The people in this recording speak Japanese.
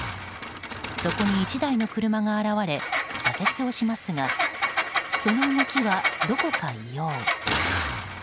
そこに１台の車が現れ左折をしますがその動きは、どこか異様。